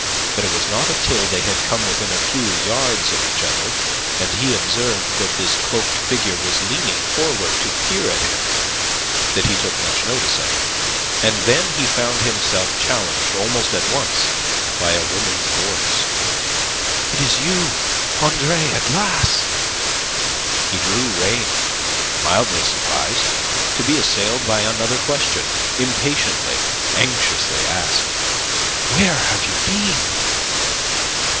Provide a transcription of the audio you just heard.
But it was not until they had come within a few yards of each other, and he observed that this cloaked figure was leaning forward to peer at him, that he took much notice of it. And then he found himself challenged almost at once by a woman's voice. "It is you, Andre at last!" He drew rein, mildly surprised, to be assailed by another question, impatiently, anxiously asked. "Where have you been?"